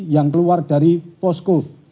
yang keluar dari posko